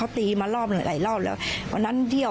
ไล่ตีล้อมแยกล้อมแชมป์แรกอยู่เนี่ย